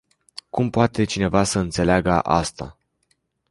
Cum poate cineva să înțeleagă asta?